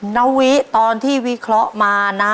นาวิตอนที่วิเคราะห์มานะ